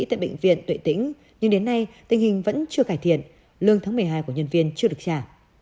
tại bệnh viện tuệ tĩnh nhưng đến nay tình hình vẫn chưa cải thiện lương tháng một mươi hai của nhân viên chưa được trả